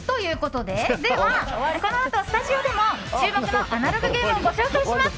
では、このあとスタジオでも注目のアナログゲームをご紹介します。